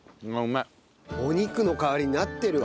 お肉の代わりになってるわ。